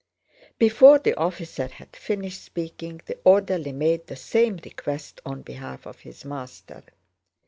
Before the officer had finished speaking the orderly made the same request on behalf of his master.